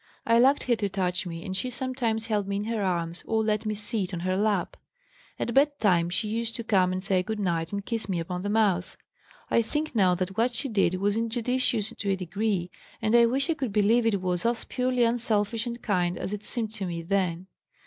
I liked her to touch me and she sometimes held me in her arms or let me sit on her lap. At bedtime she used to come and say good night and kiss me upon the mouth. I think now that what she did was injudicious to a degree, and I wish I could believe it was as purely unselfish and kind as it seemed to me then.